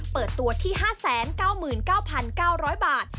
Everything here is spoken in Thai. เปิดตัวที่๕๙๙๙๙๐๐บาท